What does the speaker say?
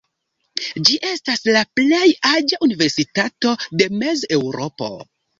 Ĝi estas la plej aĝa universitato de Mez-Eŭropo.